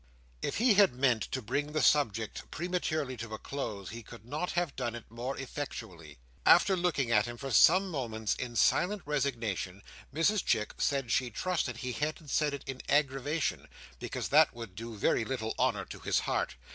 If he had meant to bring the subject prematurely to a close, he could not have done it more effectually. After looking at him for some moments in silent resignation, Mrs Chick said she trusted he hadn't said it in aggravation, because that would do very little honour to his heart.